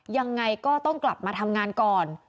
ยังไงก็ต้องกลับมาทำงานก่อน